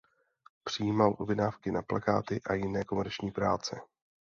Přijímal objednávky na plakáty a jiné komerční práce.